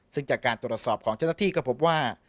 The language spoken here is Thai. ซึ่งจากการตรวจสอบของเจ้าหน้าที่ก็พบว่า